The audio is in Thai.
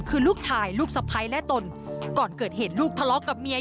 คือลูกชายลูกสะพ้ายและตนก่อนเกิดเหตุลูกทะเลาะกับเมีย